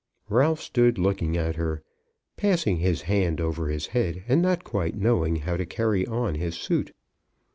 Ralph stood looking at her, passing his hand over his head, and not quite knowing how to carry on his suit.